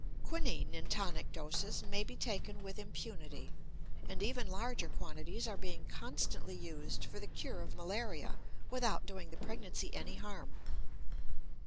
Quinin in tonic doses may be taken with impunity, and even larger quantities are being constantly used for the cure of malaria without doing the pregnancy any harm.